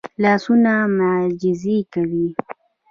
لاسونه معجزې کوي